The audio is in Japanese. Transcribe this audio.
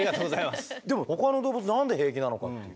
でもほかの動物何で平気なのかっていう。